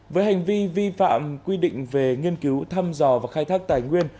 với hành vi vi phạm quy định về nghiên cứu thăm dò và khai thác tài nguyên